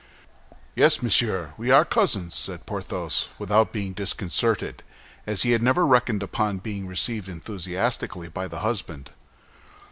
"Yes, monsieur, we are cousins," said Porthos, without being disconcerted, as he had never reckoned upon being received enthusiastically by the husband.